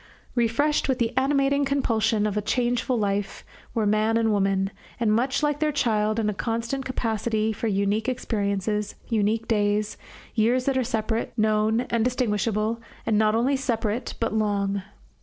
Refreshed with the animating compulsion of changeful life were man and woman, and much like their child in a constant capacity for unique experiences, unique days, years that are separate, known, and distinguishable, and not only separate but long.